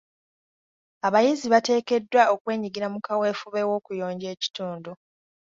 Abayizi bateekeddwa okwenyigira mu kaweefube w'okuyonja ekitundu.